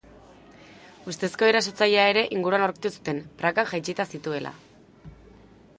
Ustezko erasotzailea ere inguruan aurkitu zuten, prakak jaitsita zituela.